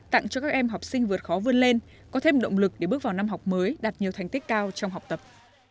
tặng cho các em học sinh vượt khó vươn lên có thêm động lực để bước vào năm học mới đạt nhiều thành tích cao trong học tập